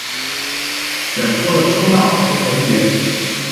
选出了出纳和文员。